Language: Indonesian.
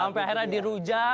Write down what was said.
sampai akhirnya dirujak